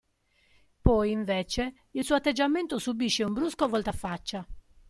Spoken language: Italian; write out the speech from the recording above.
Poi, invece, il suo atteggiamento subisce un brusco voltafaccia.